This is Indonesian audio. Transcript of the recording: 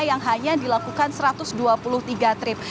yang hanya dilakukan satu ratus dua puluh tiga trip